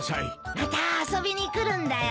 また遊びに来るんだよ。